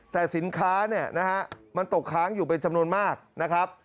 แต่สินค้ามันตกค้างอยู่ไปจำนวนมากนะครับ